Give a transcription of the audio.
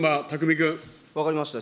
分かりました。